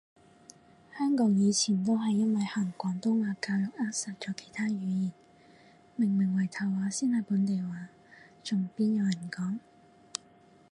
香港以前都係因為行廣東話教育扼殺咗其他語言，明明圍頭話先係本地話，仲邊有人講？